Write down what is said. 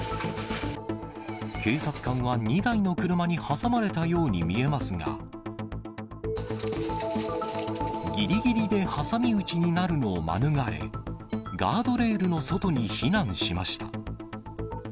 警察官は２台の車に挟まれたように見えますが、ぎりぎりで挟み撃ちになるのを免れ、ガードレールの外に避難しました。